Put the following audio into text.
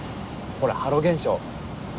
ほらハロ現象。